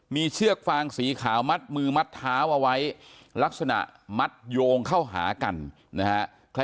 มีเชือกฟางสีขาวมัดมือมัดเท้าเอาไว้ลักษณะมัดโยงเข้าหากันนะฮะ